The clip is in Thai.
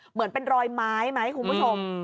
เหมือนเป็นรอยไม้ไหมคุณผู้ชม